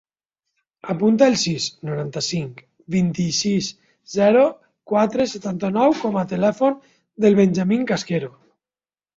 Apunta el sis, noranta-cinc, vint-i-sis, zero, quatre, setanta-nou com a telèfon del Benjamín Casquero.